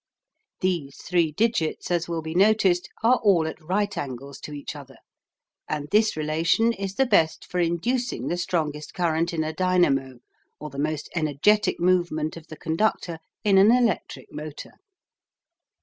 These three digits, as will be noticed, are all at right angles to each other, and this relation is the best for inducing the strongest current in a dynamo or the most energetic movement of the conductor in an electric motor.